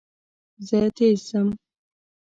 زه تېز ځم.